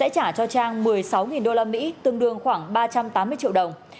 trả cho trang một mươi sáu usd tương đương khoảng ba trăm tám mươi triệu đồng